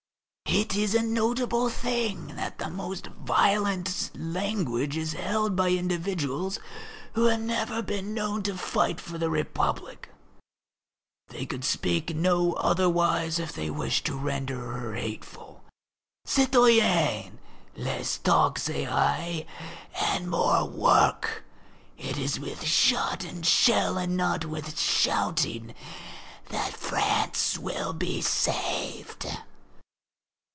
It is a notable thing that the most violent language is held by individuals who have never been known to fight for the Republic. They could speak no otherwise if they wish to render her hateful. Citoyens, less talk, say I, and more work! It is with shot and shell and not with shouting that France will be saved.